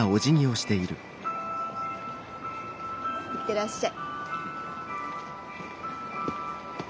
行ってらっしゃい。